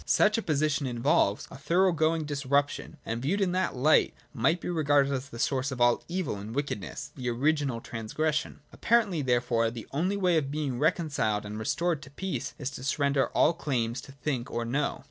Such a position involves a thorough going disruption, and, viewed in that light, might be regarded as the source of all evil and wicked ness—the original transgression. Apparently therefore the only way of being reconciled and restored to peace is to surrender all claims to think or know.